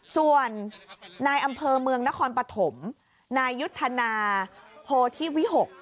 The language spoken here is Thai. ส่วนนายอำเภอเมืองนครปฐมนายยุทธนาโพธิวิหก